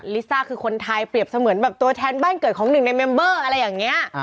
ลิซ่าคือคนไทยเปรียบเสมือนแบบตัวแทนบ้านเกิดของหนึ่งในเมมเบอร์อะไรอย่างนี้